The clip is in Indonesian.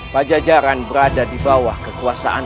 pajajaran berada di bawah kekuasaan